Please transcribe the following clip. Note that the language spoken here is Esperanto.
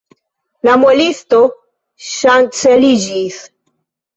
La muelisto ŝanceliĝis.